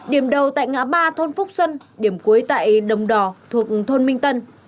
điểm đầu tại ngã ba thôn phúc xuân điểm cuối tại đồng đò thuộc thôn minh tân